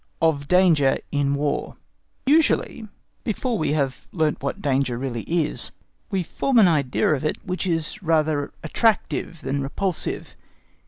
Of Danger in War Usually before we have learnt what danger really is, we form an idea of it which is rather attractive than repulsive.